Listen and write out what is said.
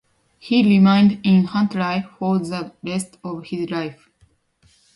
He remained in Huntly for the rest of his life.